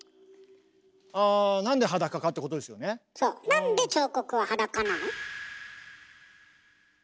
なんで彫刻は裸なの？